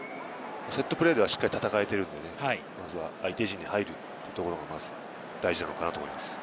セットプレーではしっかり戦えているので、まずは相手陣に入るところが大事なのかなと思います。